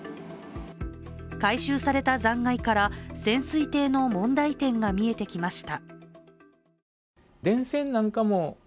回収された残骸から、潜水艇の問題点が見えてきました。